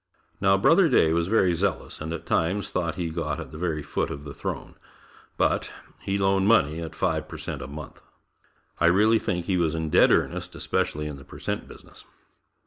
Now brother Day was very zealous and at times thought he got at the very foot of the throne; but, he loaned money at five per cent a month. I really think he was in dead earnest, especially in the per cent business.